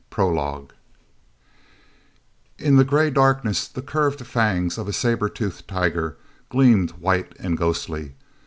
PROLOGUE n the gray darkness the curved fangs of a saber toothed tiger gleamed white and ghostly.